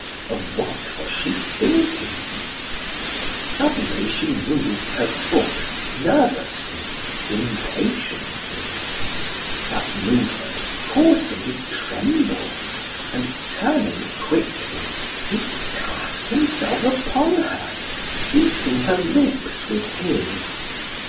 Of what was she thinking? Suddenly she moved her foot, nervously, impatiently. That movement caused him to tremble, and turning quickly, he cast himself upon her, seeking her lips with his.